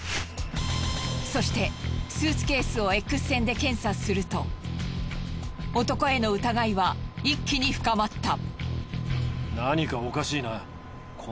そしてスーツケースをＸ線で検査すると男への疑いは一気に深まった。